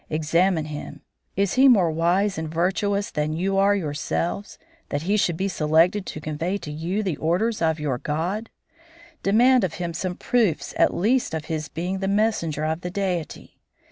Examine him. Is he more wise and virtuous than you are yourselves, that he should be selected to convey to you the orders of your God? Demand of him some proofs at least of his being the messenger of the Deity.